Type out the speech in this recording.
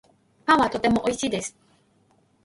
パンはとてもおいしいです